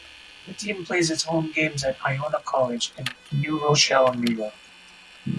The team plays its home games at Iona College in New Rochelle, New York.